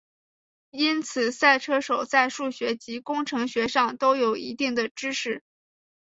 因此赛车手在数学及工程学上都有一定的知识。